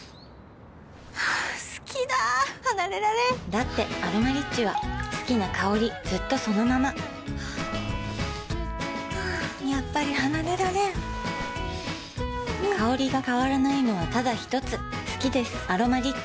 好きだ離れられんだって「アロマリッチ」は好きな香りずっとそのままやっぱり離れられん香りが変わらないのはただひとつ好きです「アロマリッチ」